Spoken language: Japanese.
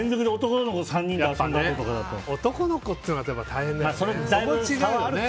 男の子っていうのは大変だよね。